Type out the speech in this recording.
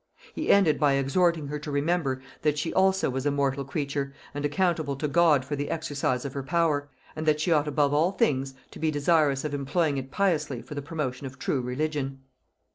He ended by exhorting her to remember that she also was a mortal creature, and accountable to God for the exercise of her power, and that she ought above all things to be desirous of employing it piously for the promotion of true religion.